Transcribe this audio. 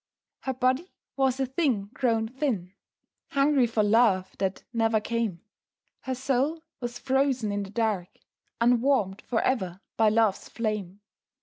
Her body was a thing grown thin, Hungry for love that never came; Her soul was frozen in the dark, Unwarmed forever by love's flame.